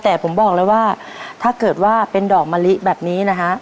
แต่ผมบอกแล้วว่าถ้าเกิดว่าเป็นดอกมะลิแบบนี้นะฮะ